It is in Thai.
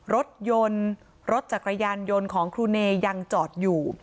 รถยนต์รถจักรยานยนต์ของครูเนด้วยยังจอดอยู่